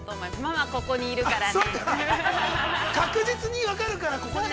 ママここにいるからね。